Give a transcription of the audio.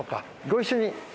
ご一緒に。